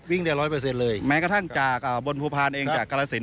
ได้ร้อยเปอร์เซ็นต์เลยแม้กระทั่งจากบนภูพานเองจากกรสิน